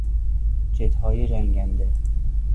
جتهای جنگنده